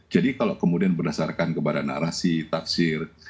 jadi kalau kemudian berdasarkan kepada narasi tafsir